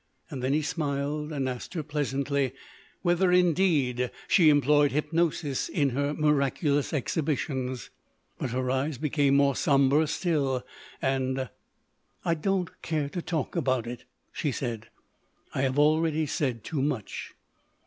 Then he smiled and asked her pleasantly, whether indeed she employed hypnosis in her miraculous exhibitions. But her eyes became more sombre still, and, "I don't care to talk about it," she said. "I have already said too much."